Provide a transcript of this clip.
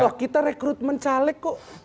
wah kita rekrutmen caleg kok